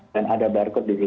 dan ada barcode di situ